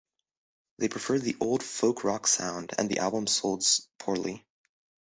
They preferred the old folk-rock sound, and the album sold poorly.